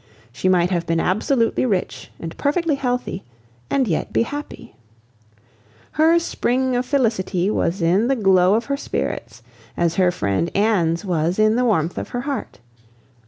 She might have been absolutely rich and perfectly healthy, and yet be happy. Her spring of felicity was in the glow of her spirits, as her friend Anne's was in the warmth of her heart.